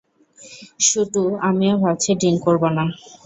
শুটু, আমিও ভাবছি ড্রিংক করবো না।